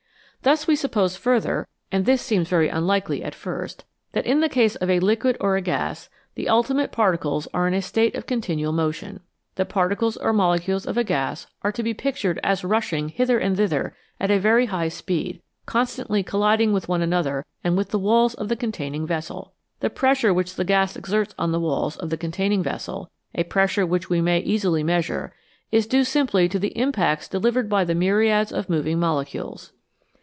Then we suppose further (and this seems very unlikely at first) that in the case of a liquid or a gas the ultimate particles are in a state of continual motion. The particles or molecules of a gas are to be pictured as rushing hither and thither at a very high speed, constantly colliding with one another and with the walls of the containing vessel. The pressure which the gas exerts on the walls of the containing vessel a pressure which we may easily measure is due simply to the impacts delivered by the myriads of moving molecules.